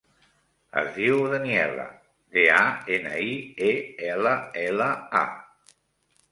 Es diu Daniella: de, a, ena, i, e, ela, ela, a.